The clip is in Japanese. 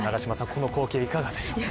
この光景、いかがですか。